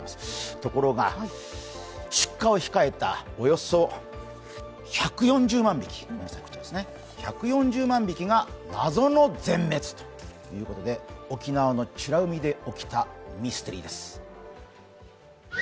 ところが、出荷を控えたおよそ１４０万匹が謎の全滅ということで、沖縄の美ら海で起きたミステリーです。